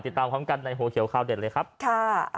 ติดตามพร้อมกันในหัวเขียวข่าวเด็ดเลยครับค่ะ